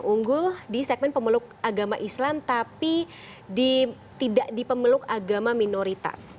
unggul di segmen pemeluk agama islam tapi tidak di pemeluk agama minoritas